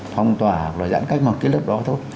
phong tỏa hoặc là giãn cách một cái lớp đó thôi